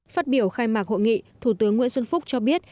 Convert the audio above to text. phát biểu khai mạc hội nghị thủ tướng nguyễn xuân phúc cho biết